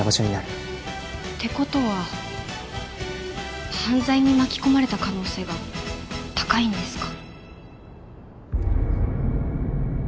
って事は犯罪に巻き込まれた可能性が高いんですか？